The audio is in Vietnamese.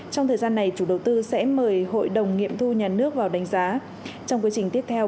trong thời gian này chủ đầu tư sẽ mời hội đồng nghiệm thu nhà nước vào đánh giá trong quy trình tiếp theo